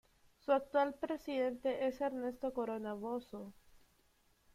Su actual presidente es Ernesto Corona Bozzo.